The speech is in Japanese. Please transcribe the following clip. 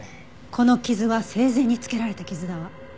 この傷は生前につけられた傷だわ。